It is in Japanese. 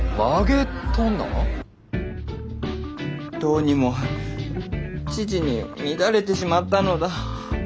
どうにも千々に乱れてしまったのだ。